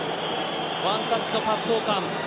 ワンタッチのパス交換。